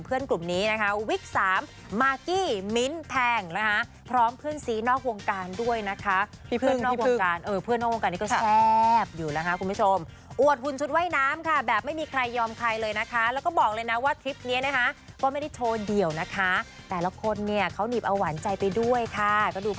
เพราะว่าเขายังไม่ได้แบบว่าเป็นอะไรกันมากมายนะ